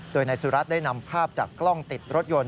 โดยนายสุรัตน์ได้นำภาพจากกล้องติดรถยนต์